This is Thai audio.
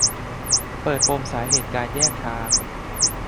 เปิดปมสาเหตุการแยกทาง